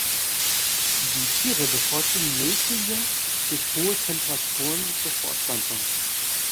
Die Tiere bevorzugen mäßige bis hohe Temperaturen zur Fortpflanzung.